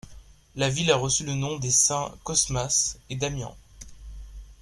La ville a reçu le nom des saints Cosmas et Damian.